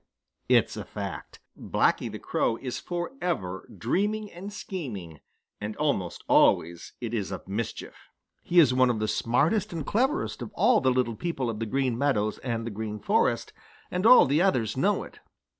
It's a fact. Blacky the Crow is forever dreaming and scheming and almost always it is of mischief. He is one of the smartest and cleverest of all the little people of the Green Meadows and the Green Forest, and all the others know it.